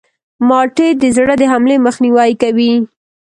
مالټې د زړه د حملې مخنیوی کوي.